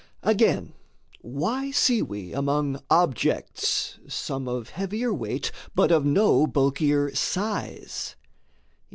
Again, why see we among objects some Of heavier weight, but of no bulkier size?